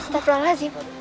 tak ada lagi